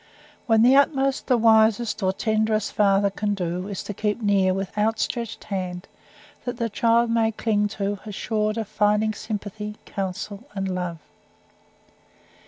When the utmost the wisest or tenderest father can do, is to keep near with outstretched hand that the child may cling to, assured of finding sympathy, counsel, and love.